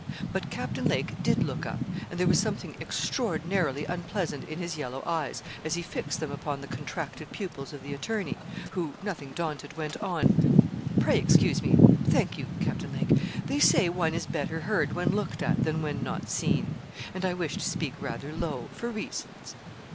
But Captain Lake did look up, and there was something extraordinarily unpleasant in his yellow eyes, as he fixed them upon the contracted pupils of the attorney, who, nothing daunted, went on 'Pray, excuse me thank you, Captain Lake they say one is better heard when looked at than when not seen; and I wish to speak rather low, for reasons.'